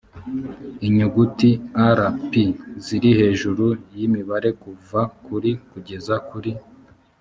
inyuguti lp ziri hejuru y imibare kuva kuri kugeza kuri